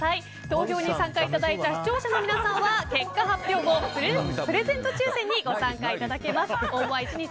投票に参加いただいた視聴者の皆さんは結果発表後、プレゼント抽選にご参加いただけます。